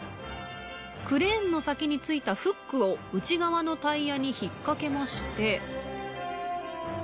クレーンの先に付いたフックを内側のタイヤに引っ掛けまして。